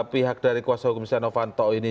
pihak dari kuasa hukum setia novanto ini